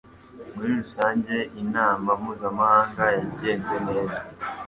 Muri rusange inama mpuzamahanga yagenze neza